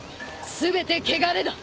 全て穢れだ！